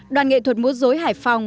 đoàn nghệ thuật múa dối hải phòng